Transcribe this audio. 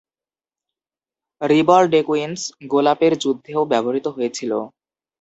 রিবলডেকুইনস গোলাপের যুদ্ধেও ব্যবহৃত হয়েছিল।